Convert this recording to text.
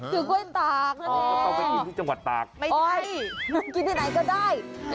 คือกล้วยตากใช่ไหมอ๋อไม่ใช่นั่นกินที่ไหนก็ได้